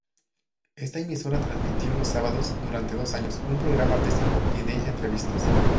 Esta emisora transmitió los sábados, durante dos años, un programa artístico y de entrevistas.